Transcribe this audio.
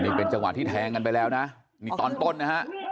นี่เป็นจังหวะที่แทงกันไปแล้วนะนี่ตอนต้นนะฮะ